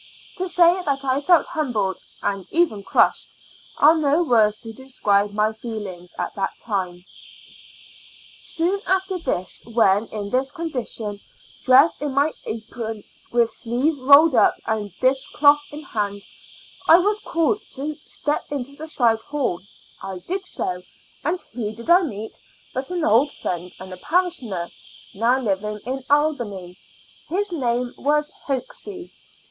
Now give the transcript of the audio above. To say that I felt humbled and even crushed, are 115 Two Years and Four Months no Tvorcls to describe my feelings at that time. Soon after this, when in this condition, dressed in my apron, with sleeves rolled up and dish cloth in hand, I was called to step into the side hall ; I did so, and who did I meet but an old friend and parishoner, no w living in Albany — his name was Hoxsie.